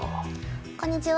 こんにちは。